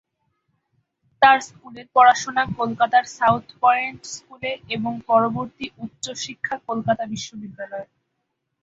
তার স্কুলের পড়াশোনা কলকাতার সাউথ পয়েন্ট স্কুলে এবং পরবর্তী উচ্চশিক্ষা কলকাতা বিশ্ববিদ্যালয়ে।